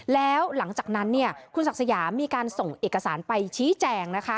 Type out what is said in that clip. แล้วหลังจากนั้นคุณศักดิ์สยามมีการส่งเอกสารไปชี้แจงนะคะ